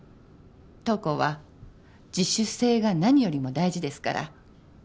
当校は自主性が何よりも大事ですから。